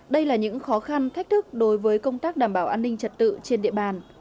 đây là những khó khăn thách thức đối với công tác đảm bảo an ninh trật tự trên địa bàn